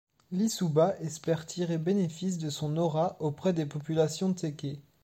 Lissouba espère tirer bénéfice de son aura auprès des populations téké.